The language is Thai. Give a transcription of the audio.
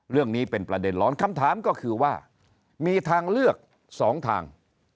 เรื่องนี้เป็นประเด็นร้อนคำถามก็คือว่ามีทางเลือก๒ทาง